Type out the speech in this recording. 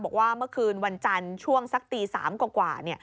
บอกว่าเมื่อคืนวันจันทร์ช่วงสักตี๓กว่า